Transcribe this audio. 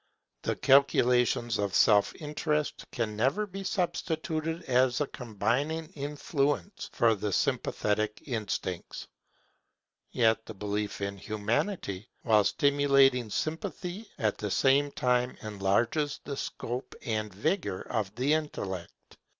The calculations of self interest can never be substituted as a combining influence for the sympathetic instincts. Yet the belief in Humanity, while stimulating Sympathy, at the same time enlarges the scope and vigour of the Intellect.